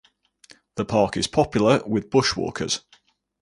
The park is popular with bushwalkers.